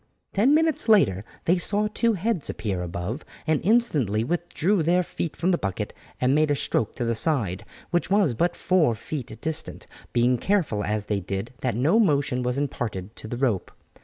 Ten minutes later they saw two heads appear above, and instantly withdrew their feet from the bucket and made a stroke to the side, which was but four feet distant, being careful as they did that no motion was imparted to the rope.